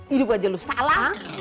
ini wajah lu salah